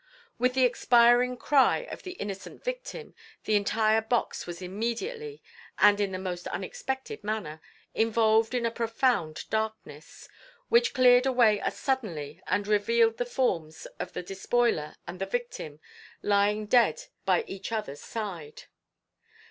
With the expiring cry of the innocent victim the entire box was immediately, and in the most unexpected manner, involved in a profound darkness, which cleared away as suddenly and revealed the forms of the despoiler and the victim lying dead by each other's side.